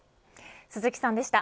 鈴木さんでした。